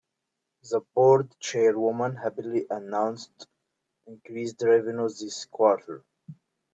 The board chairwoman happily announced increased revenues this quarter.